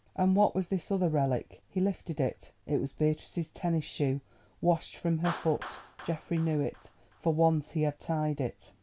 _" And what was this other relic? He lifted it—it was Beatrice's tennis shoe, washed from her foot—Geoffrey knew it, for once he had tied it.